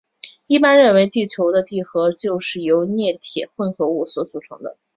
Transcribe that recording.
一般认为地球的地核就是由镍铁混合物所组成的。